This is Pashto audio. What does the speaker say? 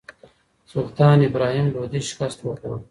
سلطان ابراهیم لودي شکست وخوړ